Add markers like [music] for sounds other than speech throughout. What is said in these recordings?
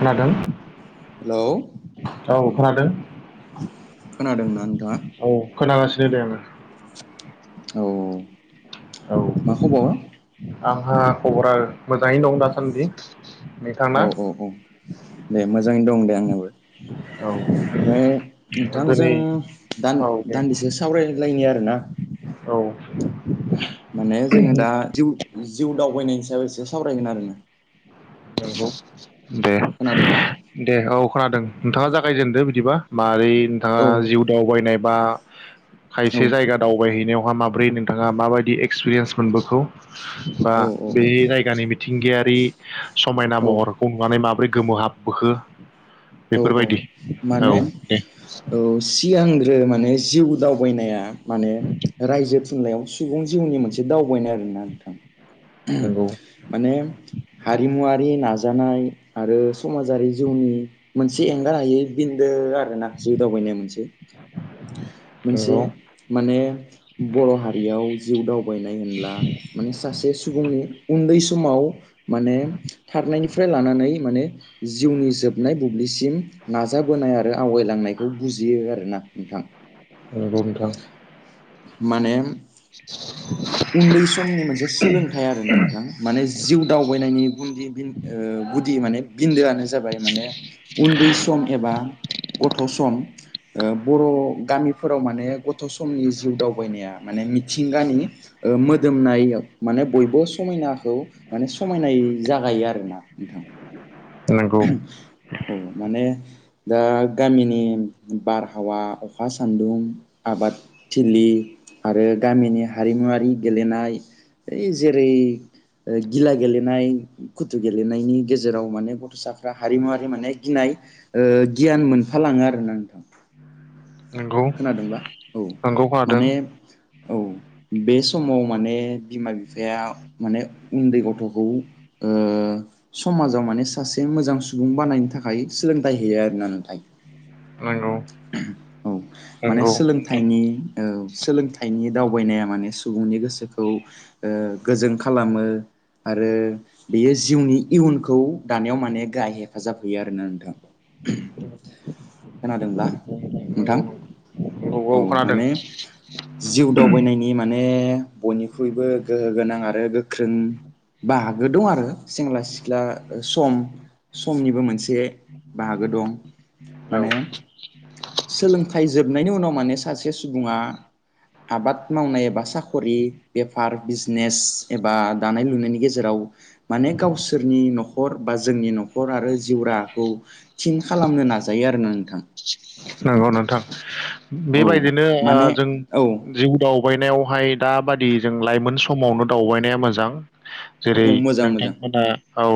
खोनादों हेलौ औ खोनादों। खोनादोंना नोंथाङा? औ खोनागासिनो दे आङो। औ औ। औ मा खबर? आंहा खबरा मोजाङैनो दं दासान्दि। नोंथांना औ औ औ दे मोजाङैनो दं दे आंनाबो। औ ओमफ्राय दिनै नोंथांजों दान औ दे दान्दिसे सावरायलायनि आरोना। औ। माने जोङो दा दिउ जिउ दावबायनायनि सायाव एसे सावरायगोन आरो ना। औ दे दे। औ खोनादों नोंथाङा जागायजेनदो बिदिबा मारै नोंथाङा औ जिउ दावबायनाय बा औ खायसे जायगा दाव बायहैनायावहा माब्रै नोंथाङा माबायदि एक्सपिरेन्स मोनबोखो बा औ बे औ जायगानि मिथिंगाया बि समायना औ महरखौ नुनानै माबोरै गोमोहाबबोखो औ औ बेफोरबायदि। औ माने दे ओ सिगांग्रो माने जिउ दावबायनाया माने रायजो थुनलाइयाव सुबुं जिउनि मोनसे दावबायनाय आरोना नोंथां। नंगौ माने हारिमुवारि ना जानाय आरो समाजारि जिउनि मोनसे एंगार हायै बिन्दो। आरोना जिउ दावबायनाय मोनसे मोनसे नंगौ माने बर' हारियाव जिउ दावबायनाय होनब्ला माने सासे सुबुंनि उन्दै समाव माने थारनायनिफ्राय लानानै माने जिउनि जोबनाय बुब्लिसिम नाज जाबोनाय आरो आवगायलांनाय खौ बुजियो आरोना। नोंथां औ [inaudible] औ। माने [inaudible] उन्दै समनि मोनसे सोलोंथाइ आरोना नोंथां माने जिउ दावबायनायनि गुनदि दिन ओ गुदि माने बिन्दोआनो जाबाय माने उन्दै सम एबा गथ' सम ओ बर' गामिफोराव माने गथ' समनि जिउ दावबायनाया माने मिथिंगानि ओ मोदोमनाय ओ माने बयबो समायनाखौ माने समायनायै जागायो आरोना नोंथां। नंगौ औ माने दा गामिनि बारहावा अखा सान्दुं आबादथिलि आरो गामिनि हारिमुवारि लेनाय ऐ जेरै ओ गिला गेलेनाय कुथु गेलेनायनि गेजेराव माने गथ'साफ्रा हारिमुवारि माने गिनाय ओ गियान मोनफाल लाङो आरोना नोंथां। [inaudible] खोनादोंबा औ नंगौ खोनादों माने औ बे समाव माने बिमा बिफ फाया माने उन्दै गथ'खौ ओ समाजाव माने सासे मोजां सुबुं बानायनो थाखाय सोलों होयो आरोना नोंथां। नंगौ। माने नंगौ नोंथां सोलोंथाइनि ओ सोलोंथाइनि दावबायनाया माने सुबुंनि गोसोखौ ओ गोजों खालामो आरो बेयो जिउनि इयुनखौ दानायाव माने गाहाय हेफाजाब होयो आरोना नोंथां खोनादोंब्ला? नोंथां नंगौ नंगौ। औ माने जिउ दावबायनायनि माने माने गोख्रों बाहागो दं आरो सेंग्रा सिख्ला सम समनिबो मोनसे बाहागो दं [inaudible] माने औ मोननायनि उनाव माने सासे सुबुङा आबाद मावनाय एबा साखरि बेफार बिजनेस एबा दानाय लुनायनि गेजेराव माने गावसोरनि नखर बा जोंनि नखर आरो जिउराहाखौ थिन खालामनो नाजायो आरो। आरोना नोंथां। नंगौ नोंथां। औ बेबायदिनो ओ माने जों औ जिउ दाव बायनायावहाय दाबादि जों लाइमोन समावनो दावबायनाया मोजां। जेरै औ मोजां मोजां नोंथांमोना औ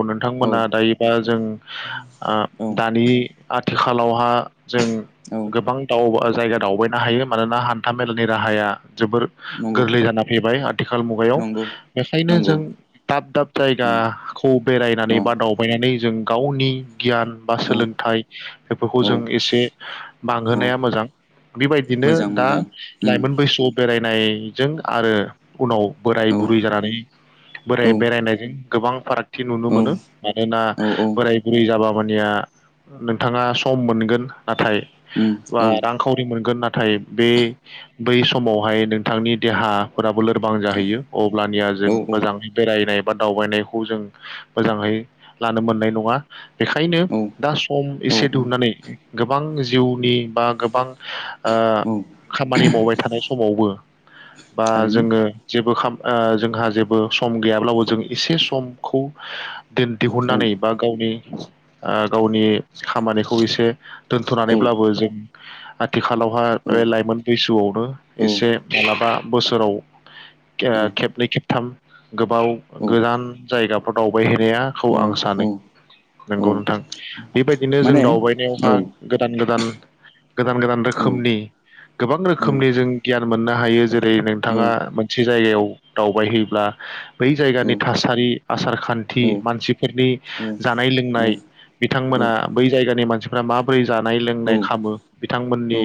औ नोंथांमोना दायोबा जों ओ औ दानि आ आथिखालावहा जों औ गोबां दावबा जायगा दावबायनो हायो मानोना हान्था मेलानि राहाया जोबोर नंगौ गोरलै जाना फैबाय आथिखाल मुगायाव नंगौ बेखायनो नंगौ जों दाब दाब औ जायगाखौ औ बेरायनानै बा दावबायनानै जों गावनि गियान बा औ सोलोंथाइ बेफोरखौ औ जों एसे औ बांहोनाया मोजां बेबायदिनो मोजां दा मोजां उम लाइमोन बैसोआव बे रायनायजों आरो उनाव बोराय औ बुरै जानानै औ बोराय बेरायनायजों गोबां फाराग थि नुनो औ मोनो मानोना औ औ बोराय बुरै जाबा होमबानिया नोंथाङा सम मोनगोन नाथाय उम बा औ रांखावरि मोनगोन नाथाय बे बै समावहाय नोंथांनि देहाफोराबो लोरबां जाहैयो। अब्लानिया औ जों मोजाङै बेरायनाय बा दावबायनायखौ जों मोजाङै लानो मोननाय नङा बेखायनो औ दा सम औ एसे उम दिहुननानै गोबां जिउनि बा गोबां औ खामानि मावबाय थानाय समावबो बा थारैनो जोङो जेबो जोंहा जेबो सम गैयाब्लाबो जों एसे समखौ औ दिहुननानै बा गावनि गावनि खामानिखौ एसे औ दोन्थनानैब्लाबो जों आथिखालावहा औ बे लाइमोन बैसोआवनो एसे माल्बाबा बोसोराव खेबनै खेबथाम गोबाव औ गोजान जायगाफ्राव दावबायहै नायखौ आं औ सानो। औ नोंगौ नोंथां। बेबायदिनो जों माने दावबायनायाव औ हा गोदान गोदान। गोदान गोदान औ रोखोमनि गोबां औ रोखोमनि जों गियान मोननो हायो जेरै औ नोंथाङा मोनसे जायगायाव दावबायहैयोब्ला बै औ जायगानि थासारि, आसार खान्थि, मानसिफोरनि औ जानाय लोंनाय, औ औ बिथांमोना बै जायगानि मानसि रा माबोरै जानाय लोंनाय खामो बिथांमोननि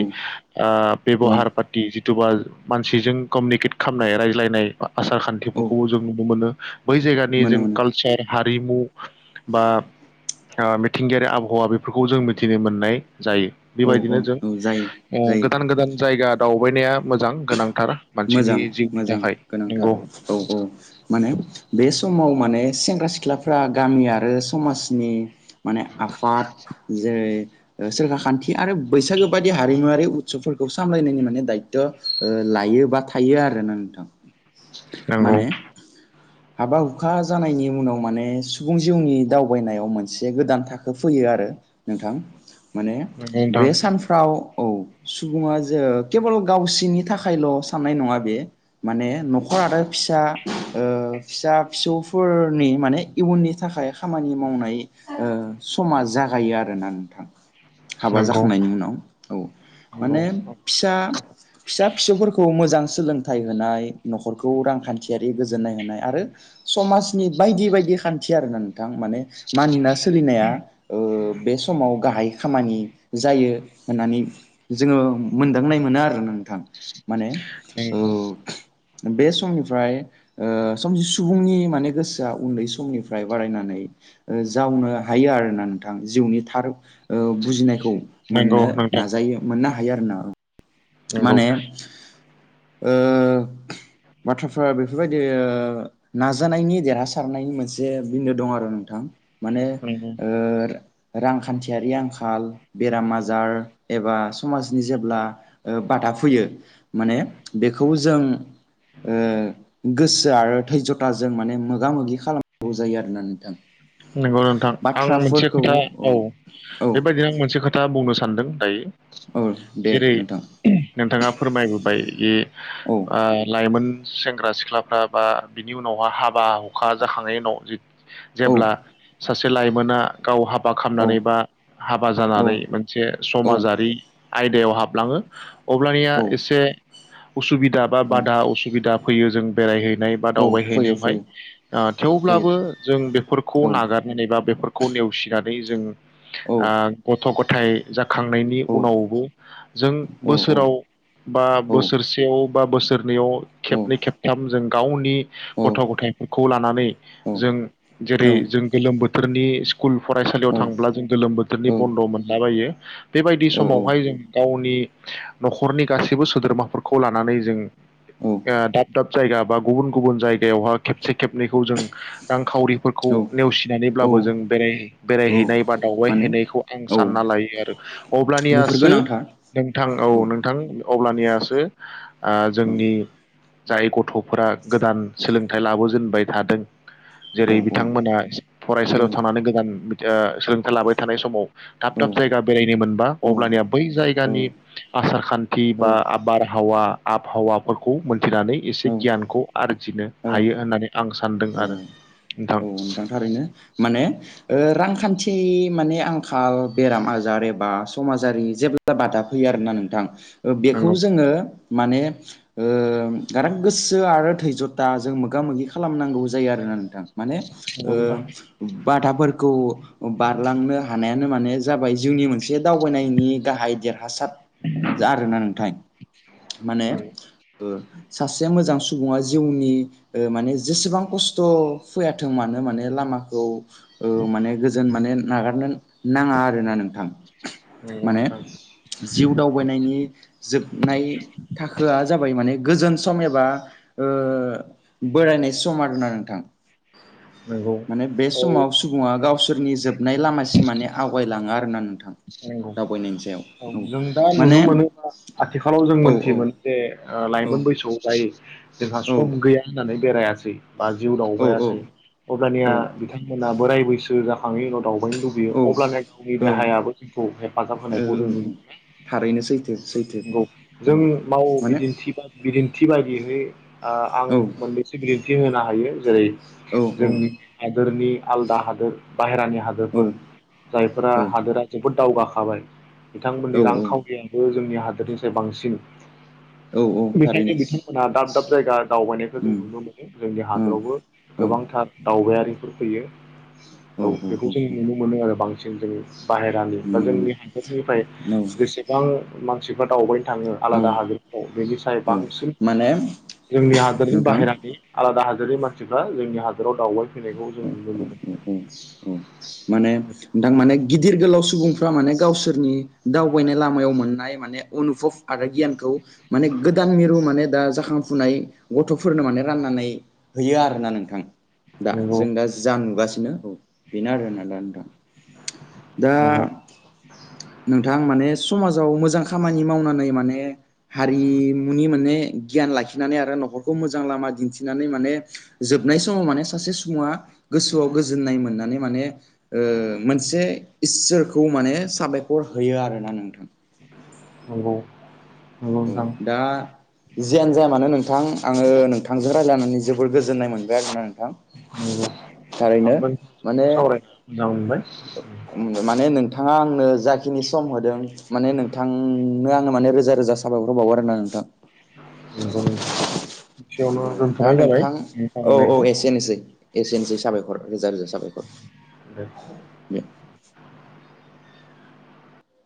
ओ बेब हार पाथि जिथुबा मानसिजों कमिउनिकेट खालामनाय रायज्लायनाय आसार औ खान्थिफोरखौबो जों नुनो मोनो बै जायगानि मोनो जों मोनो कालसार हारिमु बा मिथिंगायारि आबहावा बेफोरखौ जों मि थिनो मोननाय जायो औ बेबायदिनो जों औ जायो ओ जायो गोदान गोदान जायगा दावबायनाया मोजां गोनांथार। मानसिनि मोजां जिउनि मोजां थाखाय गोनांथार नंगौ औ औ माने बे समाव माने। सेंग्रा सिख्लाफ्रा गामि आरो समाजनि। माने आफाद जेरै सोरखा खान्थि आरो बैसागो बादि हारिमुवारि उत्सबफोरखौ सामलायनायनि माने दायथ ओ लायोबा। थायो आरोना नोंथां। नंगौ। माने हाबा हुखा जानायनि उनाव माने सुबुं जिउनि दावबायनायाव मोनसे गोदान थाखो फैयो आरो नोंथां। माने नंगौ नोंथां बे सानफ्राव। औ सुबुङा जे केबल गावसिनि थाखायल। हानाय नङा बे माने नखर आरो फिसा ओ फिसा फिसौफोरनि माने इयुननि थाखाय खामानि मावनाय ओ समा जागायो आरोना नोंथां। हाबा नंगौ जाखांनायनि उनाव औ नंगौ माने फिसा फिसा फिसौफोरखौ। मोजां सोलोंथाइ होनाय नखरखौ रांखान्थियारि गोजोननाय होनाय आरो समाजनि बायदि बायदि खान्थि आरोना नोंथां माने मानिना सोलिनाया ओ बे समाव गाहाय। खामानि जायो होननानै जोङो मोनदांनाय मोनो आरो नोंथां। माने नंगौ ओ। बे समनिफ्राय। ओ समजि सुबुंनि। माने गोसोआ उन्दै समनिफ्राय बारायनानै ओ जावनो हायो आरोना नोंथां जिउनि थार। ओ बुजिनायखौ नंगौ मोननो नोंथां नाजायो मोनना। हायो आरो ना नंगौ माने ओ बाथ्राफ्रा बेफोरबायदि ओ नाजानायनि देरहासारनायनि मोनसे बिन्दो दं आरो नोंथां। माने नंगौ ओर रांखान्थियारि आंखाल बेराम आजार। एबा समाजनि जे ब्ला। बेखौ जों [unintelligible] जों माने मोगा मोगि खालामगौ जायो आरोना नोंथां। नंगौ नोंथां आं मोनसे खोथा औ औ बेबायदिनो आं मोनसे खोथा बुंनो सानदों दायो। औ दे जेरै नोंथां नोंथाङा फोरमायबोबाय। ए। औ बा लाइमोन। सेंग्रा सिख्लाफ्रा बा बिनि उनावहा हाबा हुखा जाखांनायनि उनाव औ जेब्ला सासे लाइमोना गाव हाबा औ खालामनानै बा हाबा जानानै मोनसे औ समाजारि आयदायाव हाबलाङो अब्लानिया औ एसे उसुबिदा बा औ बादा उसुबिदा फैयो जों बेरायहैनाय बा औ फैयो दावबायहैनायावहाय फैयो ओ फैयो थेवब्लाबो जों बे औ खौ नागारनो नेबा बे फोरखौ नेवसिनानै जों औ आ गथ' गथायाइ जाखांनायनि औ उनावबो जों औ बोसोराव बा औ बोसोरसेयाव बा बोसोरनैयाव औ खेबनै खेबथाम जों गावनि औ गथ' गथायाइफोरखौ लानानै जों जेरै जों गोलोम बो थोरनि स्कुल फरायसालियाव थांब्ला जों गोलोम बोथोरनि बन्द मोनलाबायो बेबायदि समावहाय जों गावनि नखरनि गासैबो सोद्रोमाफोरखौ लानानै जों ओ दाब दाब जायगा बा गुबुन गुबुन जायगायावहा खेबसे खेबनैखौ जों रांखावरि फोरखौ नेवसिनानैब्लाबो जों औ बेराय-बेरायहैनाय बा माने दावबायहैनायखौ आं औ सानना लायो आरो बेफोर अब्लानियासो गोनांथार नोंथां औ नोंथां अब्लानियासो आ औ जोंनि जाय गथ'फोरा गोदान सोलोंथाइ लाबोजेनबाय थादों औ जेरै बिथांमोना औ फरायसालियाव थांनानै आ गोदान सोलोंथाइ लाबाय थानाय समाव थाब थाब जायगा औ बेरायनो मोनबा अब्लानिया बै जायगानि आसार खान्थि बा आबारहावा आबहावाफोरखौ मोनथिनानै एसे औ गियानखौ आरजिनो औ हायो होननानै आं सानदों आरो नोंथां नों थां थारैनो माने रांखान्थि गासै माने आंखाल बेराम आजार एबा समाजारि जेब्ला बादा फैयो आरोना नोंथां बेखौ नंगौ जोङो माने ओ गारां गोसो आरो धैजथा जों मोगा मोगि खालामनांगौ जायो आरोना नोंथां माने ओ नंगौ नोंथां बाधाफोरखौ बारलांनो हानायानो माने जाबाय जिउनि मोनसे दावबायनायनि गाहाय देर हासार आरोना नोंथां माने नंगौ ओ सासे मोजां सुबुङा जिउनि माने जेसेबां खस्थ' फैयाथों मानो माने लामाखौ ओ माने गोजोन माने नागारनो नाङा आरोना नोंथां नंगौ माने नोंथां जिउ दावबायनायनि जोबनाय थाखोआ जाबाय माने गोजोन सम एबा ओ बोरायनाय सम आरोना नोंथां नंगौ माने बे औ समाव सुबुङा गाव गावसोरनि जोबनाय लामासिम माने आवगायलाङो आरो ना नोंगौ औ जों दा माने नुनो मोनोबा आथिखालाव जों औ औ मोनथियोमोन जे औ लाइमोन बैसोआव जाय जोंहा सम गैया होननानै बेरायाखै जै बा जिउ औ दावबायासै औ अब्लानिया बिथांमोना बोराय बैसो जो जाखाङो दावबायनो लुबैयो औ अब्लानो गावनि ओ देहायाबो खौ हेफाजाब होनायखौ जों नुनो ओ थारैनो सैथो सैथो मोनो नंगौ जों औ माव माने बिदिन्थि बा बिदिन थिबायदिहै ओ आं औ मोनैसो बि थि होनो हायो जेरै औ जोंनि हादोरनि आलदा हादोर बाहेरानि औ हादोरफोर जायफोरा हादोरा बद दावगाखाबाय। औ बिथांमोननि रांखावरियबो जोंनि हादोरनिफ्राय बांसिन औ औ थारैनो बेखायनो बिथांमोना दाब दाब जायगा दावबायनायखौ जों उम नुनो मोनो जोंनि औ हादरावबो औ गोबांथार दावबायारि बेफोर फैयो। औ बेखौ जों नुनो मोनो आरो बांसिन जों बाहेरानि बा नुनो जोंनि मोनो हादरनिफ्राय औ जेसेबां मा सिफोर दावबायनो थाङो आलादा औ हादोरफ्राव बेनि सायाव औ बांसिन माने जोंनि हादोरनि नोंथां बाहेरानि आलादा हादो जेरै मानसिफ्रा जोंनि हा [unintelligible] माने नोंथां माने गिदिर गोलाव स सुबुंफ्रा माने गावसोरनि दावबायनाय लामायाव मोननाय माने अनुभब आरो गियानखौ माने गोदान मिरु माने दा जाखांफुनाय गथ'फोरनो माने राननानै हैयो आरोना नोंथां। दा जों दा जा नुगासिनो औ बेनो आरो होनना दा नोंथां दा मोनो नंगौ नोंथां माने समाज जाव गाव मोजां खामानि मावनानै माने हारिमुनि माने गियान लाखिनानै आरो न'खरखौ मोजां लामा दिन्थिनानै माने जोबनाय समाव माने सासे सुबुङा गोसोआव गोजोननाय मोननानै माने ओ मोनसे इसोरखौ माने साबायखर होयो आरोना नोंथां। नंगौ। नंगौ औ नोंथां दा जियानो जाया मानो नोंथां आङो नोंथांजों रायज्लायनानै जोबद गोजोननाय मोनबाय आरो नों थां नंगौ थारैनो आंबो माने नोंथांजों सावरायना मोजां मोनबाय माने नोंथाङा आं ओ जाख खिनि सम होदों माने नोंथां नो आङो माने रोजा रोजा सा बायखर बावहरो आरोना नोंथां नंगौ नोंथां एसेयावनो दे दा दोनथ'नाय जाबाय नोंथां आंनि औ औ सावरायनायखौ एसे एनोसै एसे एनोसै साबायखर रोजा रोजा दे साबायखर दे